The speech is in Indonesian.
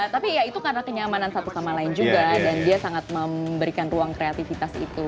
tapi ya itu karena kenyamanan satu sama lain juga dan dia sangat memberikan ruang kreativitas itu